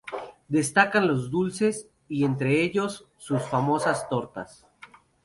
Destacan los dulces y, entre ellos, sus famosas tortas.